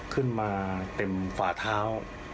ขึ้นมาเต็มฝ่าเท้า